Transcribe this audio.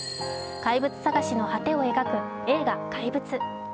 怪物探しの果てを描く映画「怪物」。